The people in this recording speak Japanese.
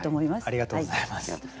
ありがとうございます。